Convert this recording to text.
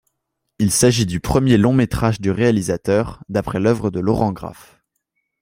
Il s'agit du premier long métrage du réalisateur, d'après l'œuvre de Laurent Graff.